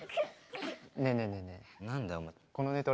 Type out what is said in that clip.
ねえねえねえねえ。